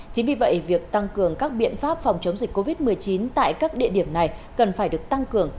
chính vì vậy việc tăng cường các biện pháp phòng chống dịch covid một mươi chín tại các địa điểm này cần phải được tăng cường